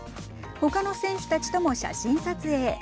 他の選手たちとも写真撮影。